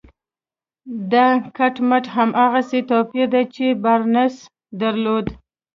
دا کټ مټ هماغسې توپير دی چې بارنس درلود.